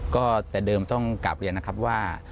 ก็แต่เดิมต้องกลับเรียนนะครับว่า